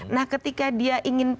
nah ketika dia ingin